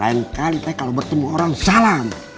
lain kali pak kalau bertemu orang salam